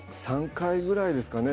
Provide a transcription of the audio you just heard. ３回ぐらいですよね。